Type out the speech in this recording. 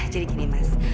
jadi gini mas